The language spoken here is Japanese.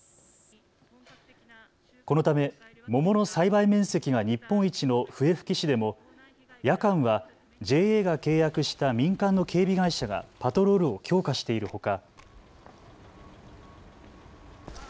このため桃の栽培面積が日本一の笛吹市でも夜間はＪＡが契約した民間の警備会社がパトロールを強化しているほか。